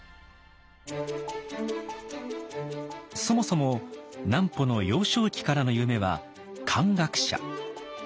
そもそも南畝の幼少期からの夢は漢学者。